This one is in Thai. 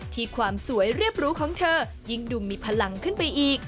ความสวยเรียบรู้ของเธอยิ่งดูมีพลังขึ้นไปอีก